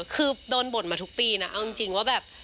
คือโดนบ่นมาทุกปีนะเอาจริงว่าแบบ